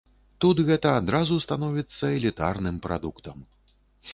Тут гэта адразу становіцца элітарным прадуктам.